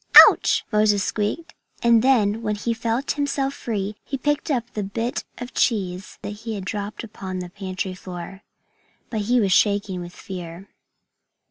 "Ouch!" Moses squeaked. And then, when he felt himself free, he picked up the hit of cheese that he had dropped upon the pantry floor. But he was shaking with fear.